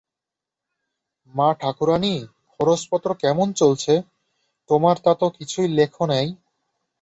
মা-ঠাকুরাণীর খরচপত্র কেমন চলছে, তোমরা তা তো কিছুই লেখ নাই।